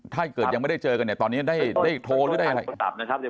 ถ้าเกิดยังไม่ได้เจอกันเนี่ยตอนนี้ได้โทรหรือได้อะไรนะครับ